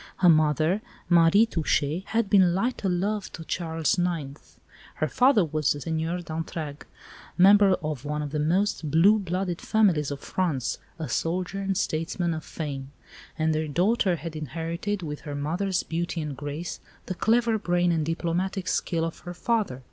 Her mother, Marie Touchet, had been "light o' love" to Charles IX.; her father was the Seigneur d'Entragues, member of one of the most blue blooded families of France, a soldier and statesman of fame; and their daughter had inherited, with her mother's beauty and grace, the clever brain and diplomatic skill of her father.